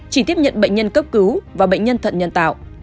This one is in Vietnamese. chỉ tiếp nhận bệnh nhân cấp cứu và bệnh nhân thận nhân tạo